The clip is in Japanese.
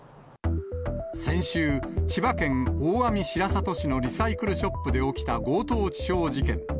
先週、千葉県大網白里市のリサイクルショップで起きた強盗致傷事件。